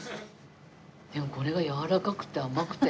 これがやわらかくて甘くて。